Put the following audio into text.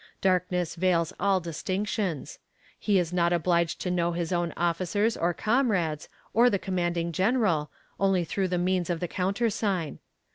Darkness veils all distinctions. He is not obliged to know his own officers or comrades, or the commanding general, only through the means of the countersign.